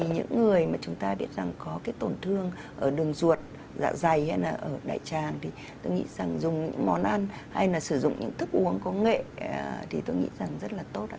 có cái tổn thương ở đường ruột dạng dày hay là ở đại tràng thì tôi nghĩ rằng dùng những món ăn hay là sử dụng những thức uống có nghệ thì tôi nghĩ rằng rất là tốt ạ